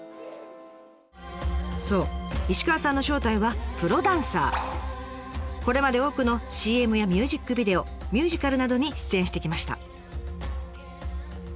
そう石川さんの正体はこれまで多くのＣＭやミュージックビデオミュージカルなどに出演してきました。